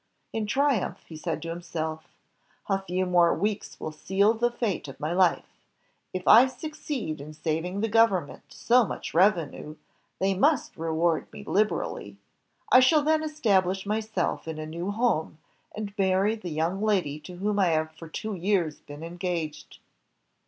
In triumph he said to himself: "A few more weeks will seal the fate of my Ufe. If I succeed in saving the government so much revenue, they must reward me hberally. I shall then estabhsh myself in a new home, and marry the young lady to whom I have for two years been engaged.